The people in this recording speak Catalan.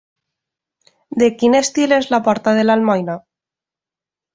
De quin estil és la porta de l'Almoina?